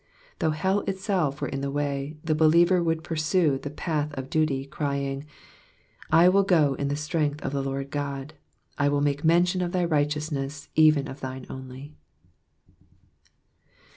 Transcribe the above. Though hell itself were in the way, the believer would pursue the path of duty, crying :/ will go in ifie strength of the Lord Qod : I will make mention of thy righteatutnesf, even of thine tfnZy."